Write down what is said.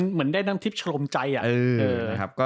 เหมือนได้นั่งทริปฉลมใจอะ